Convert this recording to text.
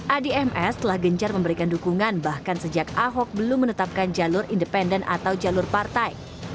adms telah gencar memberikan dukungan bahkan sejak ahok belum menetapkan jalur independen atau jalur partai